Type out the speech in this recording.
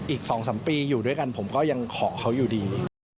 อีก๒๓ปีอยู่ด้วยกันผมก็ยังขอเขาอยู่ดี